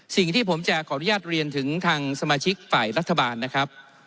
สิ่งที่ผมจะขออนุญาตเรียนถึงทางสมาชิกฝ่ายรัฐบาลนะครับ